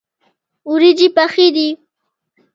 وریژې پخې دي.